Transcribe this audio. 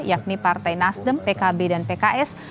yakni partai nasdem pkb dan pks